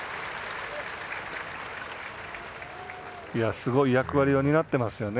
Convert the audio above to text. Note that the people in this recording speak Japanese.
すごい役割を担ってますよね。